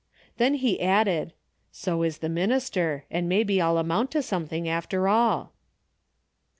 Then he added, " So is the minister, and maybe I'll amount to something, after all."